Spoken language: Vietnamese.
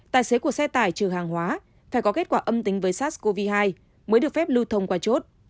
tài xế của xe tải trừ hàng hóa phải có kết quả âm tính với sars cov hai mới được phép lưu thông qua chốt